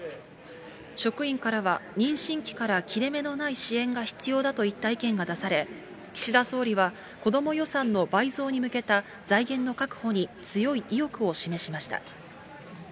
職員からは妊娠期から切れ目のない支援が必要だといった意見が出され、岸田総理は子ども予算の倍増に向けた財源の確保に強い意欲を示しました。